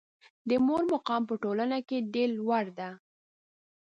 د مور مقام په ټولنه کې ډېر لوړ ده.